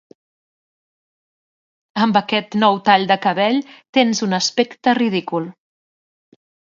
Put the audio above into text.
Amb aquest nou tall de cabell tens un aspecte ridícul.